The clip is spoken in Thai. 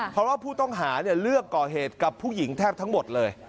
เพราะว่าผู้ต้องหาเลือกก่อเหตุกับผู้หญิงแทบทั้งหมดเลย